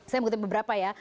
saya mengutip beberapa ya